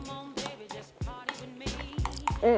うん。